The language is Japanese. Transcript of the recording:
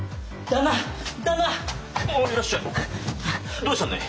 どうしたんだい？